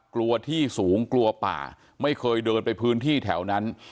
กลัวที่สูงกลัวป่าไม่เคยเดินไปพื้นที่แถวนั้น